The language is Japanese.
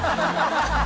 ハハハ